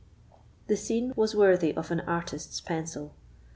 The scene was worthy of an artist's pencil.